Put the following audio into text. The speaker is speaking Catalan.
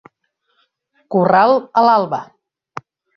Corral a l'alba.